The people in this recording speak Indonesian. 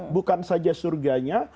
bukan saja surganya